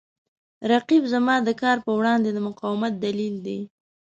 رقیب زما د کار په وړاندې د مقاومت دلیل دی